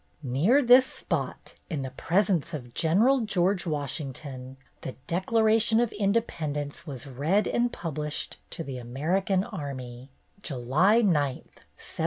Near this spot in the presence of Gen. George Washington The Declaration of Independence was read and published to the American Army July 9th, 1776."